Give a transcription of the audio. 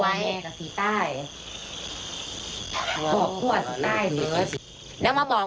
แม่คนที่ตายก็ไม่มีใครเชื่อหรอก